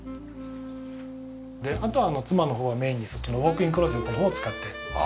あと妻の方はメインでそっちのウォークインクローゼットの方を使っているような。